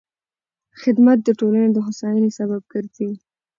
خدمت د ټولنې د هوساینې سبب ګرځي.